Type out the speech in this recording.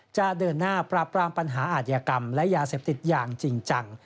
จะเดินหน้าปราบปรามปัญหาอาทยากรรมและยาเสพติดอย่างจริงจัง